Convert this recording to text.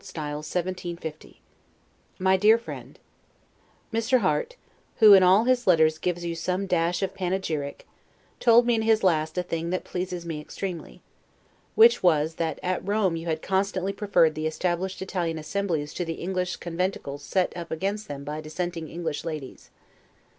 S. 1750 MY DEAR FRIEND: Mr. Harte, who in all his letters gives you some dash of panegyric, told me in his last a thing that pleases me extremely; which was that at Rome you had constantly preferred the established Italian assemblies to the English conventicles setup against them by dissenting English ladies.